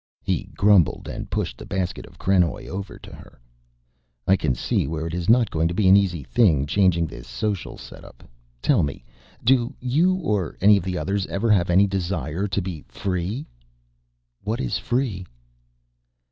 He grumbled and pushed the basket of krenoj over to her. "I can see where it is not going to be an easy thing changing this social setup. Tell me, do you or any of the others ever have any desire to be free?" "What is free?"